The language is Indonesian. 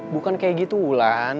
bukan kayak gitu lan